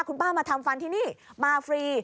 คุณป้ามาทำฟันที่นี่มาฟรี